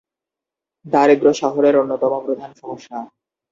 দারিদ্র্য শহরের অন্যতম প্রধান সমস্যা।